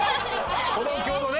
歩道橋のね